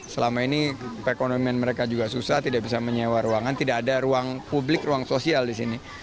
selama ini perekonomian mereka juga susah tidak bisa menyewa ruangan tidak ada ruang publik ruang sosial di sini